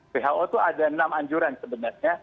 who itu ada enam anjuran sebenarnya